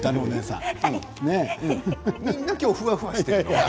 みんな今日なんかふわふわしている。